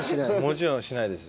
もちろんしないです。